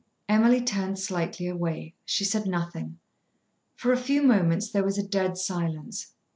Emily turned slightly away. She said nothing. For a few moments there was a dead silence.